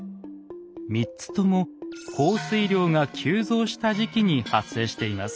３つとも降水量が急増した時期に発生しています。